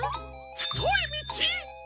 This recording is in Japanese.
ふといみち！？